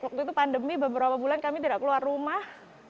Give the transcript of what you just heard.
waktu itu pandemi beberapa bulan kami tidak keluar rumah